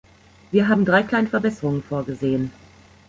Wir haben drei kleine Verbesserungen vorgesehen.